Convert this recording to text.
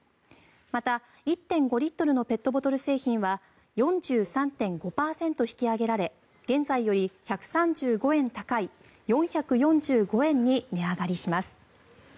また、１．５リットルのペットボトル製品は４３．５％引き上げられ現在より１３５円高い４４５円に値上がりします。